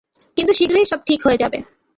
কিন্তু শীঘ্রই সব ঠিক হয়ে যাবে।